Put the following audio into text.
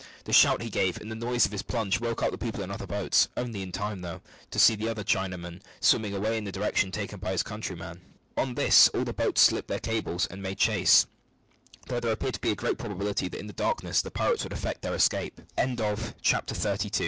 The shout he gave and the noise of his plunge woke up the people in the other boats, only in time, though, to see the other Chinaman swimming away in the direction taken by his countryman. On this all the boats slipped their cables and made chase, though there appeared a great probability that in the darkness the pirates would effect their escape. CHAPTER THIRTY THR